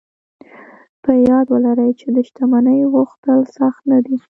په ياد ولرئ چې د شتمنۍ غوښتل سخت نه دي.